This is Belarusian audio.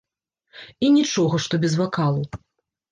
І нічога, што без вакалу.